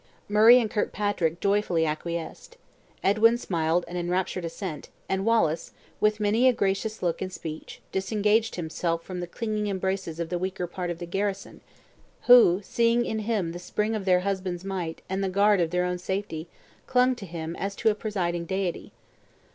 Murray and Kirkpatrick joyfully acquiesced. Edwin smiled an enraptured assent, and Wallace, with many a gracious look and speech, disengaged himself from the clinging embraces of the weaker part of the garrison, who, seeing in him the spring of their husband's might and the guard of their own safety, clung to him as to a presiding deity.